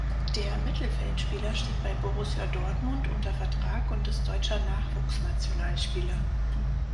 Der Mittelfeldspieler steht bei Borussia Dortmund unter Vertrag und ist deutscher Nachwuchsnationalspieler.